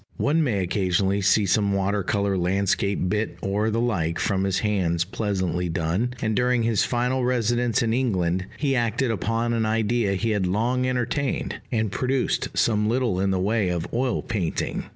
One may occasionally see some water color landscape bit or the like from his hands pleasantly done; and during his final residence in England he acted upon an idea he had long entertained, and produced some little in the way of oil painting.